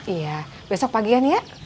iya besok pagian ya